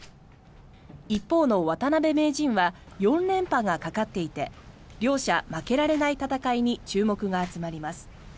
一方の渡辺名人は４連覇がかかっていて両者負けられない戦いに注目が集まります。